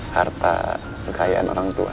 harta kekayaan orang tua